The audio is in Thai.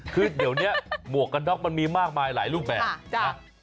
คือเดี๋ยวนี้หมวกกันน็อกมันมีมากมายหลายรูปแบบนะ